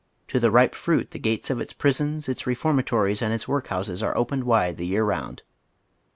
To the ripe fruit tlie gates of its prisons, its i eforuiatories, and its workhouses are opened wide the year round.